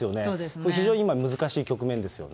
これ非常に今、難しい局面ですよね。